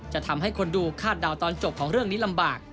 จะทำให้คนดูคาดเดาตอนจบของเรื่องนี้ลำบาก